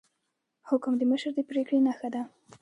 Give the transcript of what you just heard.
حکم د مشر د پریکړې نښه ده